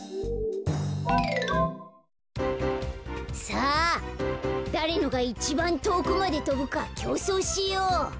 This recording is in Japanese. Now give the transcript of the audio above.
さあだれのがいちばんとおくまでとぶかきょうそうしよう。